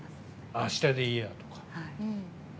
あしたでいいやとか。